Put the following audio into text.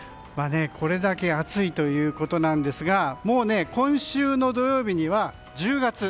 これだけ暑いということなんですがもう今週の土曜日には１０月。